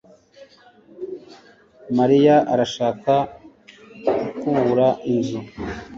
Mariya arashaka gukubura inzu